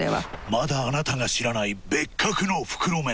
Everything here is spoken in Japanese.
まだあなたが知らない別格の袋麺。